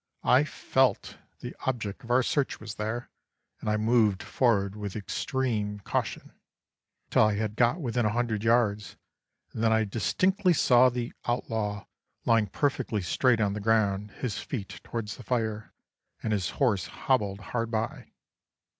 I felt the object of our search was there, and I moved forward with extreme caution, till I had got within a hundred yards, and then I distinctly saw the outlaw lying perfectly straight on the ground, his feet towards the fire, and his horse hobbled hard by.